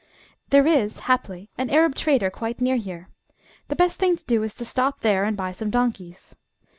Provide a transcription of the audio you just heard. "There is, haply, an Arab trader quite near here. The best thing to do is to stop there, and buy some donkeys."